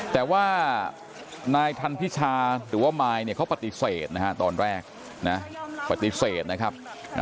แต่ว่านายทันพิชาหรือว่ามายเนี่ยเขาปฏิเสธนะฮะตอนแรกนะปฏิเสธนะครับ